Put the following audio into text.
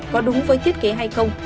có đúng với thiết kế hay không